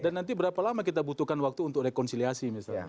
dan nanti berapa lama kita butuhkan waktu untuk rekonsiliasi misalnya